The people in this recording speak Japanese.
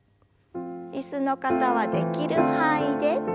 椅子の方はできる範囲で。